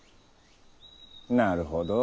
なるほど。